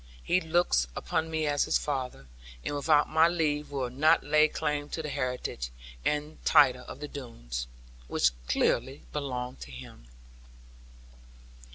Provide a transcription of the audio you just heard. He looks upon me as his father; and without my leave will not lay claim to the heritage and title of the Doones, which clearly belong to him.